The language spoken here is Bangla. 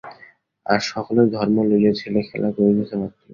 আর সকলে ধর্ম লইয়া ছেলেখেলা করিতেছে মাত্র।